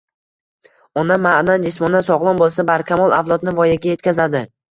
Ona ma’nan, jismonan sog‘lom bo‘lsa, barkamol avlodni voyaga yetkazadi.